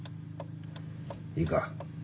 いいか？